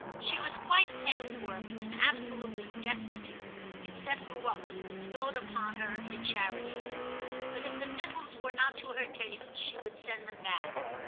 She was quite past work, and absolutely destitute, except for what was bestowed upon her in charity, but if the victuals were not to her taste she would send them back.